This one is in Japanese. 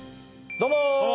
どうも！